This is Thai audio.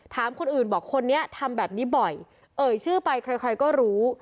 ถามคนอื่นบอกคนนี้ทำแบบนี้บ่อยเอ่ยชื่อไปใครก็รู้